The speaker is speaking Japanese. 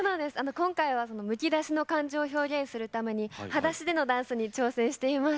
今回はむき出しの感情を表現するためにはだしでのダンスに挑戦しています。